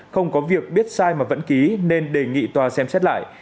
không có việc biết sai mà vẫn ký nên đề nghị tòa xem xét lại